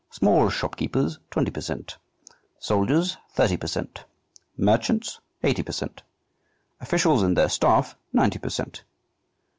small shopkeepers, twenty per cent.; soldiers, thirty per cent.; merchants, eighty per cent.; officials and their staff, ninety per cent.